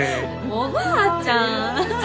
おばあちゃん。